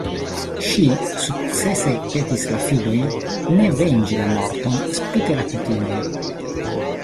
Ŝi sukcese petis la filojn ne venĝi la morton spite la kutimon.